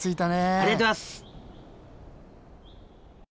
ありがとうございます。